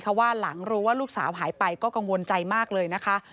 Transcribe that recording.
เพราะว่าหลังรู้ว่าลูกสาวหายไปก็กังวลใจมากเลยนะคะ